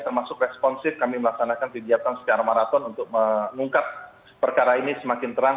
termasuk responsif kami melaksanakan kegiatan secara maraton untuk mengungkap perkara ini semakin terang